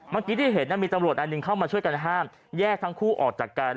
เมื่อกี้ที่เห็นมีตำรวจอันหนึ่งเข้ามาช่วยกันห้ามแยกทั้งคู่ออกจากกัน